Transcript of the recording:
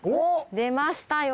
出ましたよ